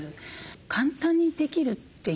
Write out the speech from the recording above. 簡単にできるっていう。